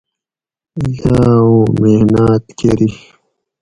یاۤ اوں محناۤت کۤری